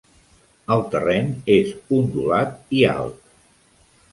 El terreny és ondulat i alt.